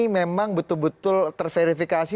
memang betul betul terverifikasi